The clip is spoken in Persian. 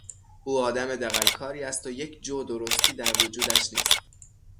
او آدم دغلکاری است و یک جو درستی در وجودش نیست.